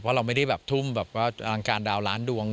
เพราะเราไม่ได้แบบทุ่มแบบว่าอังการดาวล้านดวง